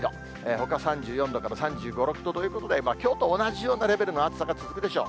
ほか３４度から３５、６度ということで、きょうと同じようなレベルの暑さが続くでしょう。